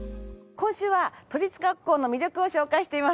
今週は都立学校の魅力を紹介しています。